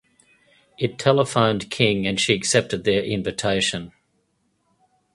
It telephoned King and she accepted their invitation.